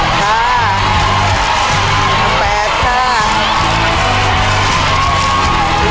๑๑แล้วครับ